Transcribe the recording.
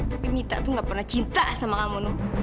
tapi mita tuh gak pernah cinta sama kamu